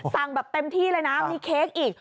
สั่งแบบเต็มที่เลยนะมีเค้กอีก